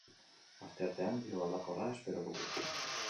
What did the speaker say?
Asteartean, giro aldakorra espero dugu.